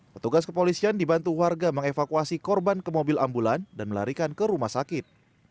petugas kepolisian dibantu warga mengevakuasi korban ke mobil ambulan dan melarikan ke rumah sakit